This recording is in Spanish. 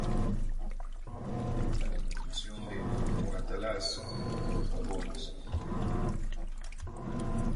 En ese momento, la línea cambió la denominación de "Moratalaz" por "Pavones".